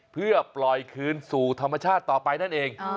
เพื่อปล่อยคืนสู่ธรรมชาติต่อไปนั่นเอง